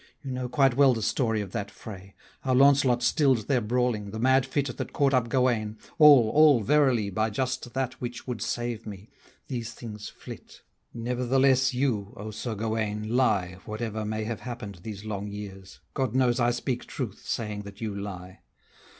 You know quite well the story of that fray, How Launcelot still'd their bawling, the mad fit That caught up Gauwaine: all, all, verily, But just that which would save me; these things flit. Nevertheless you, O Sir Gauwaine, lie, Whatever may have happen'd these long years, God knows I speak truth, saying that you lie!